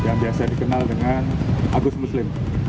yang biasa dikenal dengan agus muslim